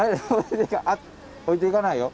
置いていかないよ。